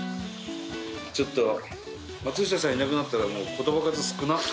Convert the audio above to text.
ちょっと松下さんいなくなったらもう言葉数少なっ！